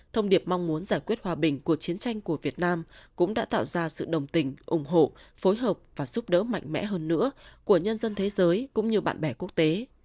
thông điệp mong muốn giải quyết hòa bình của chiến tranh của việt nam cũng đã tạo ra sự đồng tình ủng hộ phối hợp và giúp đỡ mạnh mẽ hơn nữa của nhân dân thế giới cũng như bạn bè quốc tế